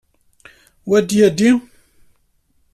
Wa d aydi?